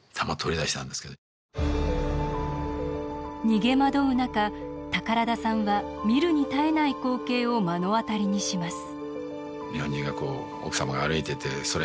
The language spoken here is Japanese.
逃げ惑う中宝田さんは見るに堪えない光景を目の当たりにします。